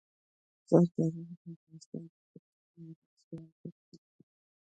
زردالو د افغانستان د کلتوري میراث یوه برخه ده.